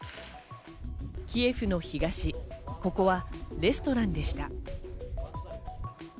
キエフの東、ここはレストランでした。